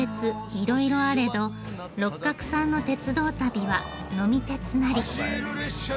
いろいろあれど六角さんの鉄道旅は呑み鉄なり。